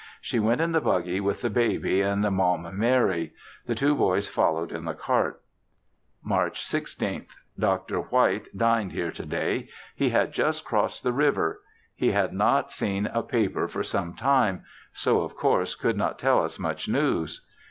She went in the buggy with the baby and Maum Mary; the two boys followed in the cart. March 16th. Dr. White dined here to day; he had just crossed the river. He had not seen a paper for some time, so, of course, could not tell us much news.